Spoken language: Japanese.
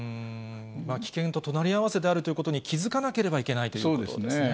危険と隣り合わせであるということに気付かなければいけないということですね。